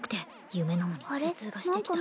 夢なのに頭痛がしてきた